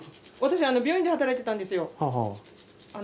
私病院で働いてたんですよ。